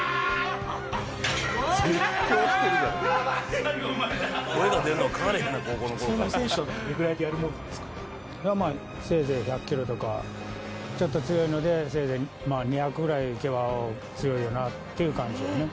普通の選手だと、まあせいぜい１００キロとか、ちょっと強いのでせいぜい２００ぐらいいけば、強いよなっていう感じやね。